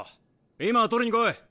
今取りに来い。